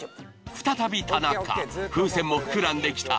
再び田中風船も膨らんできた。